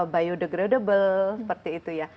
biodegradable seperti itu ya